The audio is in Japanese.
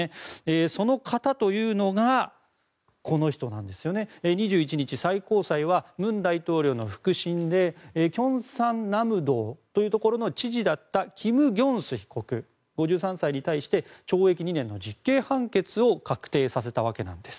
その方というのが２１日、最高裁は文大統領の腹心でキョンサンナムドというところの知事だったキム・ギョンス被告５３歳に対して懲役２年の実刑判決を確定させたんです。